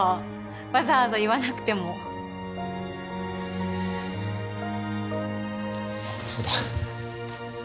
わざわざ言わなくてもあっそうだ